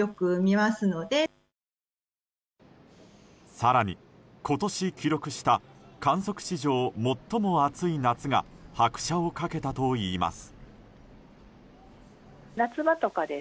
更に、今年記録した観測史上最も暑い夏が拍車をかけたといいます。